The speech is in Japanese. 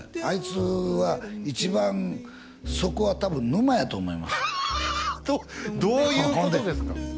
あいつは一番底は多分沼やと思いますどういうことですか？